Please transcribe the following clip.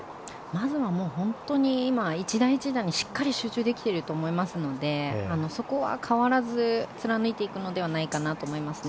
まずは本当に今１打１打にしっかり集中できていると思いますのでそこは変わらず貫いていくのではないかなと思いますね。